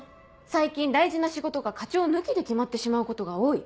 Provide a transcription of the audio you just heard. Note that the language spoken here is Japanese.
「最近大事な仕事が課長抜きで決まってしまうことが多い。